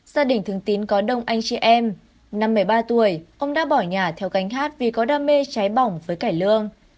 gia đình thường tín có đông anh chị em năm một mươi ba tuổi ông đã bỏ nhà theo gánh hát vì có đam mê cháy bỏng với cải lương